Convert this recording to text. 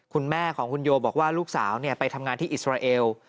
คุณแม่ของคุณโยบอกว่าลูกสาวไปทำงานที่อิสราเอล